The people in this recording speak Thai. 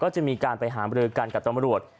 จะมีการไปหามรือกันกับตำรวจ